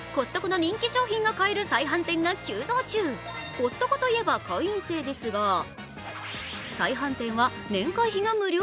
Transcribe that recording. コストコといえば会員制ですが、再販店は年会費が無料。